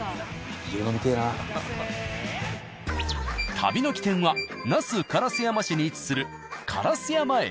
旅の起点は那須烏山市に位置する烏山駅。